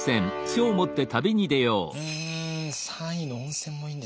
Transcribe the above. うん３位の温泉もいいんですけどね